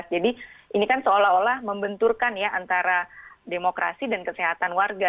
jadi ini kan seolah olah membenturkan ya antara demokrasi dan kesehatan warga